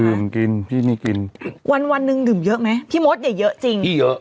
กินพี่ไม่กินวันวันหนึ่งดื่มเยอะไหมพี่มดอย่าเยอะจริงพี่เยอะ